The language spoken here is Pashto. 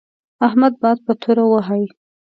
احمد باد په توره وهي.